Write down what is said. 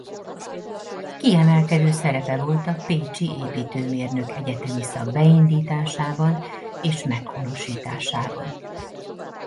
Kiemelkedő szerepe volt a pécsi építőmérnök egyetemi szak beindításában és meghonosításában.